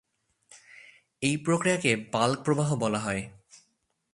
এই প্রক্রিয়াকে বাল্ক প্রবাহ বলা হয়।